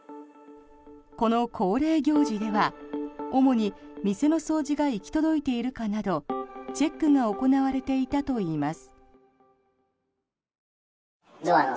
この恒例行事では主に店の掃除が行き届いているかなどチェックが行われていたといいます。